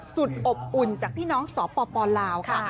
สุดอบอุ่นจากพี่น้องสปลาวค่ะ